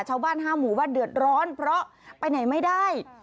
ชาวบ้านว่าห้ามหูว่าเดือดร้อนเพราะไปไหนไม่ได้